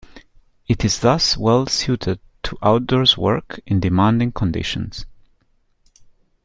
It is thus well suited to outdoors work in demanding conditions.